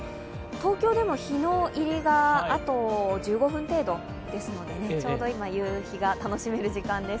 東京でも日の入りが、あと１５分程度ですので、ちょうど今、夕日が楽しめる時間です。